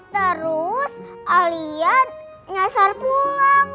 terus alia nyasar pulang